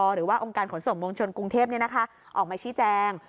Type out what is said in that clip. หรือว่าองค์การขนสมวงชนกรุงเทพเนี้ยนะคะออกมาชี้แจง